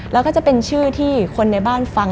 แล้วก็จะเป็นชื่อที่คนในบ้านฟัง